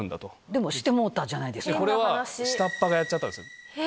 でも、してもうたんじゃないこれは下っ端がやっちゃったんですよ。